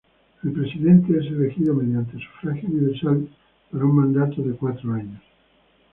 El presidente es elegido mediante sufragio universal para un mandato de cuatro años.